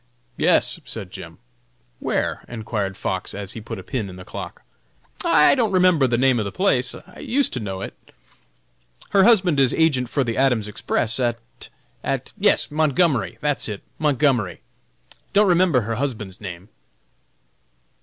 "Yes," said Jim. "Where?" enquired Fox, as he put a pin in the clock. "I don't remember the name of the place; used to know it. Her husband is agent for the Adams Express at at yes Montgomery! that's it, Montgomery! Don't remember her husband's name."